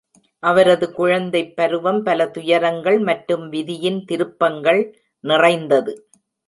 அவரது குழந்தைப்பருவம் பல துயரங்கள் மற்றும் விதியின் திருப்பங்கள் நிறைந்தது.